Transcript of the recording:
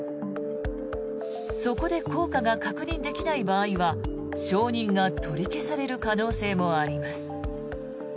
そこで効果が確認できない場合は承認が取り消される可能性もあります。